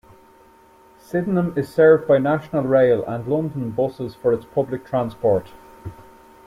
Sydenham is served by National Rail and London Buses for its public transport.